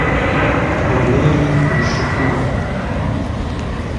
تالاری پر شکوه